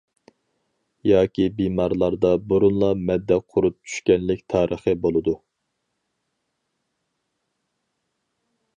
ياكى بىمارلاردا بۇرۇنلا مەددە قۇرت چۈشكەنلىك تارىخى بولىدۇ.